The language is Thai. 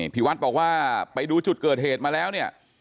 พี่วัดบอกว่าไปดูจุดเกิดเหตุมาแล้วเนี่ย